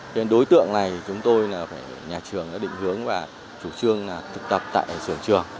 đến đối tượng này nhà trường đã định hướng và chủ trương là thực tập tại trường trường